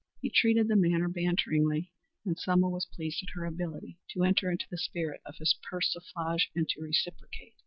He treated the matter banteringly, and Selma was pleased at her ability to enter into the spirit of his persiflage and to reciprocate.